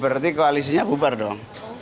berarti koalisinya bubar dong